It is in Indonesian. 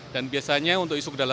dan biasanya untuk isu kedaulatan